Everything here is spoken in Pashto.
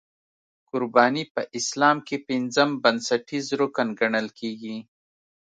قرباني په اسلام کې پنځم بنسټیز رکن ګڼل کېږي.